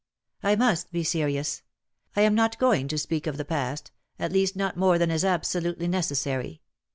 "I must be serious. I am not going to speak of the past, at least not more than is absolutely necessary.